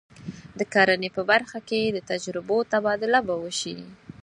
د کرنې په برخه کې د تجربو تبادله به وشي.